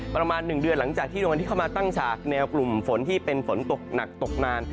ประมาณ๑เดือนหลังจากที่ดวงวันที่เข้ามาตั้งฉากแนวกลุ่มฝนที่เป็นฝนตกหนักตกนาน